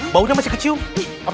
baunya masih kecium ii apalagi